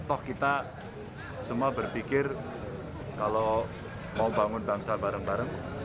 toh kita semua berpikir kalau mau bangun bangsa bareng bareng